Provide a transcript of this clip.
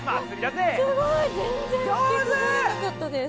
すごい全然噴きこぼれなかったです！